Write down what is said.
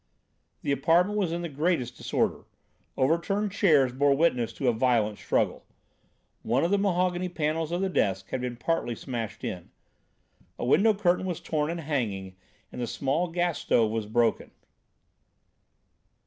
The apartment was in the greatest disorder. Overturned chairs bore witness to a violent struggle. One of the mahogany panels of the desk had been partly smashed in. A window curtain was torn and hanging, and the small gas stove was broken.